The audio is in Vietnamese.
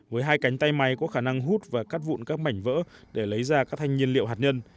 với hai cánh tay máy có khả năng hút và cắt vụn các mảnh vỡ để lấy ra các thanh nhiên liệu hạt nhân